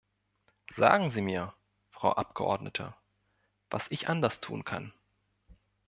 Sagen Sie mir, Frau Abgeordnete, was ich anderes tun kann.